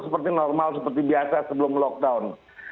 seperti normal seperti biasa sebelum lockdown